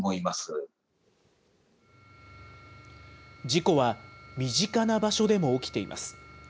事故は身近な場所でも起きています。